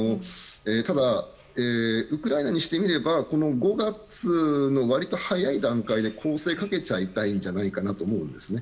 ただ、ウクライナにしてみれば５月の割と早い段階で攻勢をかけちゃいたいと思うんですよね。